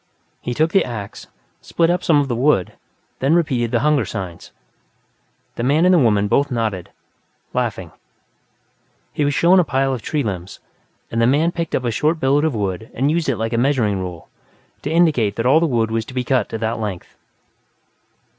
He took the ax, split up some of the wood, then repeated the hunger signs. The man and the woman both nodded, laughing; he was shown a pile of tree limbs, and the man picked up a short billet of wood and used it like a measuring rule, to indicate that all the wood was to be cut to that length.